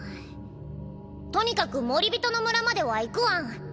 とにかくモリビトの村までは行くワン。